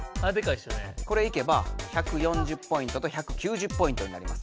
これいけば１４０ポイントと１９０ポイントになりますからね。